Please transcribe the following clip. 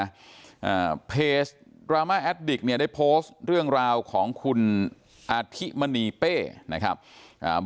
อ่าเพจดราม่าแอดดิกเนี่ยได้โพสต์เรื่องราวของคุณอาทิมณีเป้นะครับอ่า